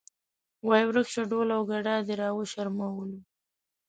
وایې ورک شه ډول او ګډا دې راوشرموله.